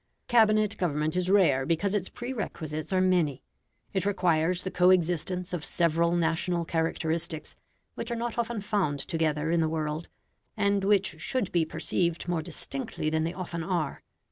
Cabinet government is rare because its prerequisites are many. It requires the co existence of several national characteristics which are not often found together in the world, and which should be perceived more distinctly than they often are.